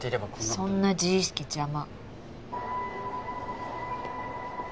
そんな自意識邪魔！